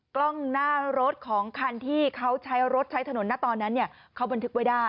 กล้องหน้ารถของคันที่เขาใช้รถใช้ถนนนะตอนนั้นเนี่ยเขาบันทึกไว้ได้